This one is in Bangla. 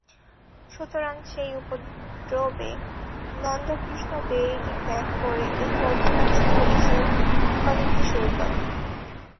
সুতরাং সেই উপদ্রবে নন্দকৃষ্ণ বেরিলি ত্যাগ করে এই বর্তমান শহরে এসে ওকালতি শুরু করলেন।